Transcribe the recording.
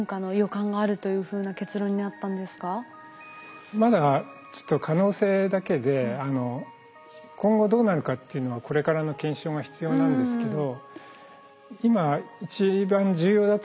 これまだ可能性だけで今後どうなるかっていうのはこれからの検証が必要なんですけど。